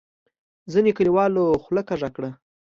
ځینو کلیوالو خوله کږه کړه.